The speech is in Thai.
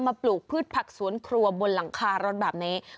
ปลูกพืชผักสวนครัวบนหลังคารถแบบนี้